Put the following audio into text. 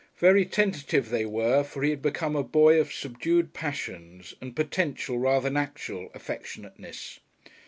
Very tentative they were, for he had become a boy of subdued passions, and potential rather than actual affectionateness.